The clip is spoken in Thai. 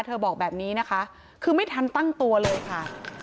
บอกแบบนี้นะคะคือไม่ทันตั้งตัวเลยค่ะ